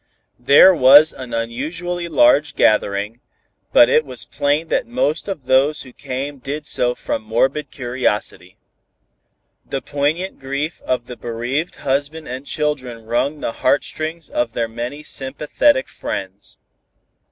There was an unusually large gathering, but it was plain that most of those who came did so from morbid curiosity. The poignant grief of the bereaved husband and children wrung the heartstrings of their many sympathetic friends.